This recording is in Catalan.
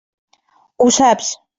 Ho saps.